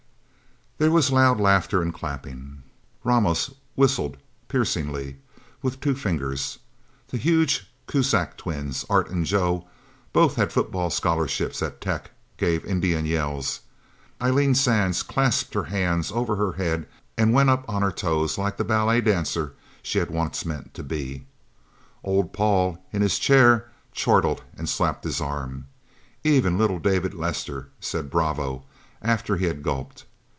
There was loud laughter and clapping. Ramos whistled piercingly, with two fingers. The huge Kuzak twins, Art and Joe both had football scholarships at Tech gave Indian yells. Eileen Sands clasped her hands over her head and went up on her toes like the ballet dancer she had once meant to be. Old Paul, in his chair, chortled, and slapped his arm. Even little David Lester said "Bravo!" after he had gulped.